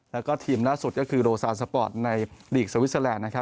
แล้วก็ทีมล่าสุดก็คือโลซานสปอร์ตในหลีกสวิสเซอแลนด์